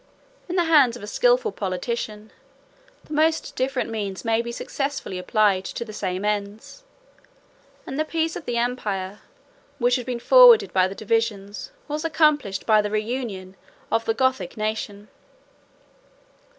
120 In the hands of a skilful politician, the most different means may be successfully applied to the same ends; and the peace of the empire, which had been forwarded by the divisions, was accomplished by the reunion, of the Gothic nation.